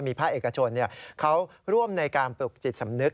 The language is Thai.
ภาคเอกชนเขาร่วมในการปลุกจิตสำนึก